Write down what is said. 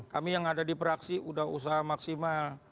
kami yang ada di fraksi sudah usaha maksimal